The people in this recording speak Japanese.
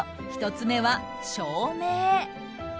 １つ目は、照明。